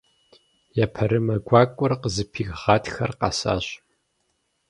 Епэрымэ гуакӀуэр къызыпих Гъатхэр къэсащ.